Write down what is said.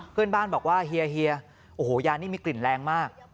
เพื่อนบ้านบอกว่าเฮียโอ้โหยานี่มีกลิ่นแรงมาก